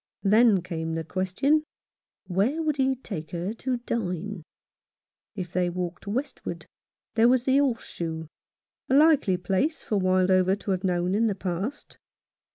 Then came the question, Where would he take her to dine ? If they walked westward, there was the Horse Shoe, a likely place for Wildover to have known in the past.